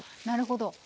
なるほど。